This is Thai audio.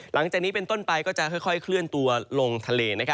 หลังจากนี้เป็นต้นไปก็จะค่อยเคลื่อนตัวลงทะเล